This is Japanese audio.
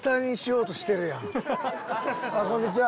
ああこんにちは